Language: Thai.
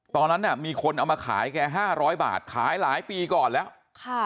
ตอนนั้นน่ะมีคนเอามาขายแกห้าร้อยบาทขายหลายปีก่อนแล้วค่ะ